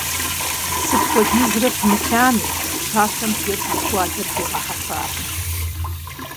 Сыт хуэдизрэ пымылъами, пщащэм бжэр Ӏуихыу адэр дигъэхьэфакъым.